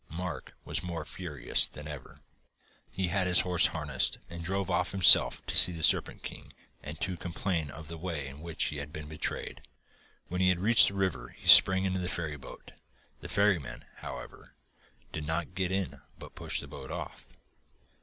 Mark was more furious than ever. He had his horses harnessed and drove off himself to see the Serpent King and to complain of the way in which he had been betrayed. When he reached the river he sprang into the ferryboat. The ferryman, however, did not get in but pushed the boat off....